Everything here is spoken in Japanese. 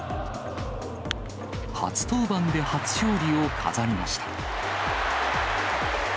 初登板で初勝利を飾りました。